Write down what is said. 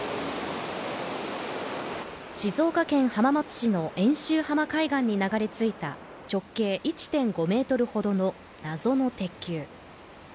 静岡県浜松市の遠州浜海岸に流れ着いた直径１．５ｍほどの謎の鉄球。